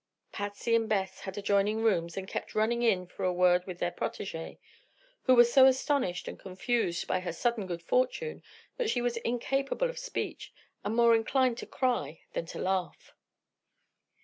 Patsy and Beth had adjoining rooms and kept running in for a word with their protégé, who was so astonished and confused by her sudden good fortune that she was incapable of speech and more inclined to cry than to laugh.